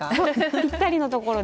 ぴったりのところで。